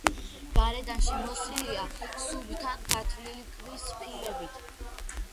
გარედან შემოსილია სუფთად გათლილი ქვის ფილებით.